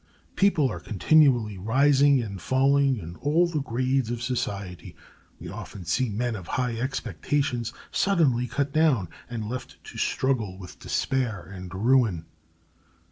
People are continually rising and falling in all the grades of society. We often see men of high expectations suddenly cut down, and left to struggle with despair and ruin.